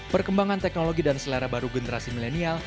perkembangan teknologi dan selera baru generasi milenial